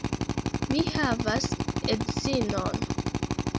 Mi havas edzinon.